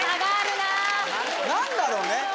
何だろうね。